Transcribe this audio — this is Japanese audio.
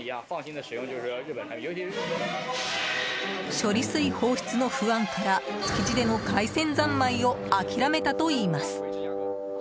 処理水放出の不安から築地での海鮮三昧を諦めたといいます。